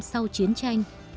sau chiến tranh